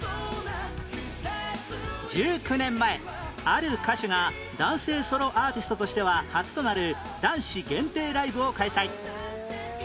『ＷＨＩＴＥＢＲＥＡＴＨ』１９年前ある歌手が男性ソロアーティストとしては初となる男子限定ライブを開催